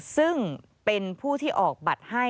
ซึ่งเป็นผู้ที่ออกบัตรให้